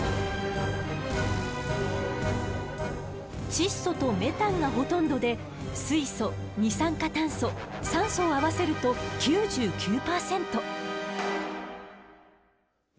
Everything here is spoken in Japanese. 窒素とメタンがほとんどで水素二酸化炭素酸素を合わせると９９％。